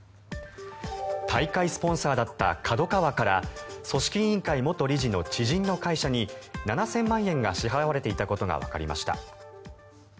大会スポンサーだったＫＡＤＯＫＡＷＡから組織委員会元理事の知人の会社に７０００万円が支払われていたことがわかりました。